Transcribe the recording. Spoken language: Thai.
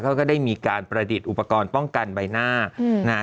เขาก็ได้มีการประดิษฐ์อุปกรรมป้องกันในใบหน้า